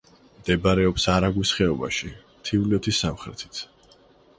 მდებარეობს არაგვის ხეობაში, მთიულეთის სამხრეთით.